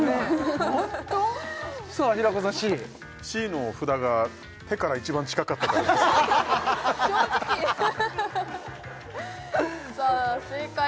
ＣＣの札が手から一番近かったからです正直！